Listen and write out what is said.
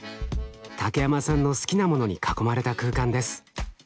竹山さんの好きなものに囲まれた空間です。